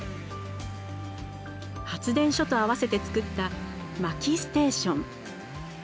発電所と合わせて作った薪ステーション。